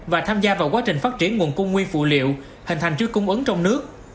và tham gia vào quá trình phát triển nguồn cung nguyên phụ liệu hình thành chuỗi cung ứng trong nước